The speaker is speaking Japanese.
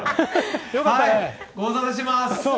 ご無沙汰してます